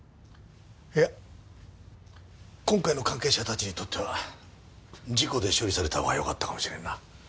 いや今回の関係者たちにとっては事故で処理された方がよかったかもしれんな。